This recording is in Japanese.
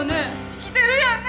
生きてるやんね！？